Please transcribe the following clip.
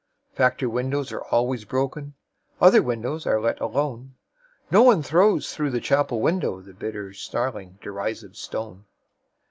Factory windows are always broken. Other windows are let alone. No one throws through the chapel window The bitter, snarling, derisive stone.